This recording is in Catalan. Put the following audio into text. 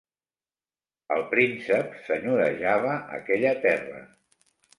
El príncep senyorejava aquella terra.